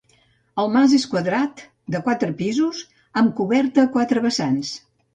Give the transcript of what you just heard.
El mas és quadrat, de quatre pisos, amb coberta a quatre vessants.